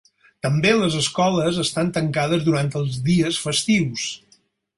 També les escoles estan tancades durant els dies festius.